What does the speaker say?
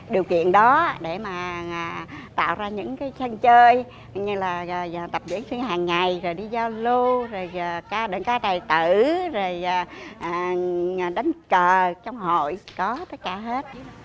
điều kiện đó để mà tạo ra những cái chân chơi như là tập vũ truyền hàng ngày rồi đi giao lưu rồi đứng cá đại tử rồi đánh trò trong hội có tất cả hết